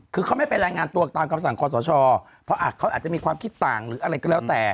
คือเขาไม่ไปรายงานตัวตามคำสั่งคอสชเพราะเขาอาจจะมีความคิดต่างหรืออะไรก็แล้วแต่